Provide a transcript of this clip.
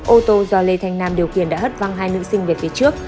ô tô do lê thanh nam điều khiển đã hất văng hai nữ sinh về phía trước